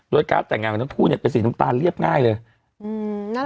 โดยการ์ดแต่งงานกับทั้งผู้เนี้ยเป็นสีน้ำตาลเรียบง่ายเลยอืมน่ารักนะ